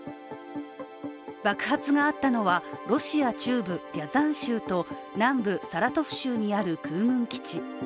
爆発があったのは、ロシア中部リャザン州と南部サラトフ州にある空軍基地。